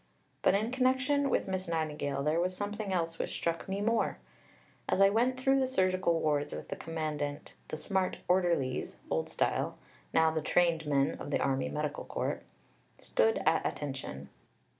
But in connection with Miss Nightingale there was something else which struck me more. As I went through the surgical wards with the Commandant, the smart "orderlies" (old style, now the trained men of the Army Medical Corps) stood at attention.